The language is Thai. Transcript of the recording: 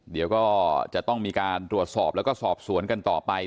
เดี๋ยวก็จะต้องมีการตรวจสอบแล้วก็สอบสวนกันต่อไป